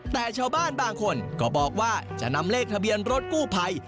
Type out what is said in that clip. แต่ชาวบ้านบางคนก็บอกว่าจะนำเลขทะเบียนรถกู้ภัย